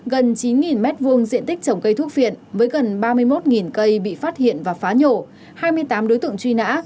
gần chín m hai diện tích trồng cây thuốc viện với gần ba mươi một cây bị phát hiện và phá nhổ hai mươi tám đối tượng truy nã